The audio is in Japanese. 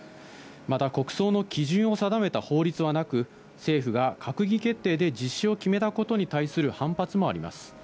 また国葬の基準を定めた法律はなく、政府が閣議決定で実施を決めたことに対する反発もあります。